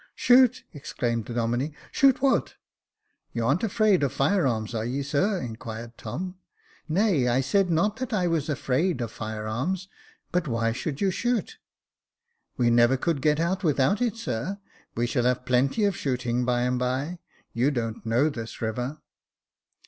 " Shoot !" exclaimed the Domine j shoot what ?"You aren't afraid of fire arms, are ye, sir ?" inquired Tom. " Nay, I said not that I was afraid of fire arms ; but why should you shoot ?"We never could get on without it, sir ; we shall have plenty of shooting, by and bye. You don't know this river."